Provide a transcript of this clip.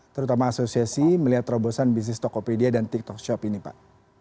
terutama asosiasi melihat terobosan bisnis tokopedia dan tiktok shop ini pak